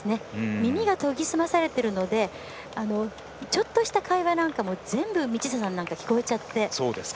耳が研ぎ澄まされているのでちょっとした会話なんかも道下さんに聞こえちゃって。